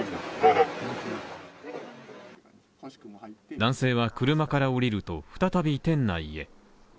男性は車から降りると、再び店内へ。